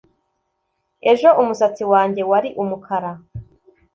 ejo umusatsi wanjye wari umukara